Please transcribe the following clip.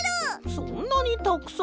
そんなにたくさん？